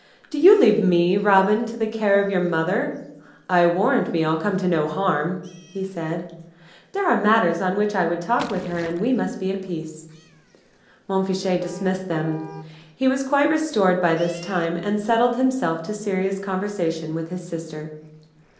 "Do you leave me, Robin, to the care of your mother: I warrant me I'll come to no harm!" he said. "There are matters on which I would talk with her, and we must be at peace." Montfichet dismissed them. He was quite restored by this time, and settled himself to a serious conversation with his sister.